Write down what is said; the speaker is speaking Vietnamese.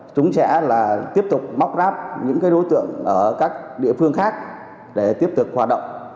chúng sẽ tiếp tục móc ráp những đối tượng ở các địa phương khác để tiếp tục hoạt động